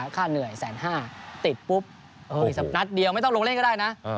ค่าเหนื่อย๑๕๐๐ติดปุ๊บอีกสักนัดเดียวไม่ต้องลงเล่นก็ได้นะ